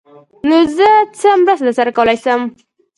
_نو زه څه مرسته درسره کولای شم؟